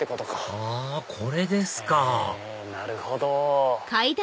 あこれですかなるほど。